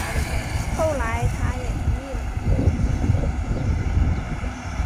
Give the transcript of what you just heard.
后来他也同意了